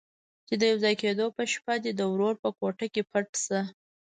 چې د يوځای کېدو په شپه دې د ورور په کوټه کې پټ شه.